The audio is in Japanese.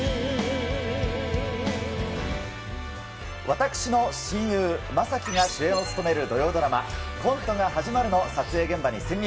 私の親友、将暉が主演を務める土曜ドラマ、コントが始まるの撮影現場に潜入。